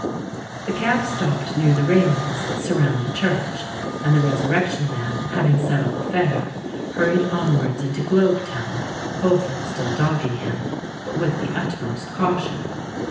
The cab stopped near the railings that surround the church; and the Resurrection Man, having settled the fare, hurried onwards into Globe Town, Holford still dogging him—but with the utmost caution.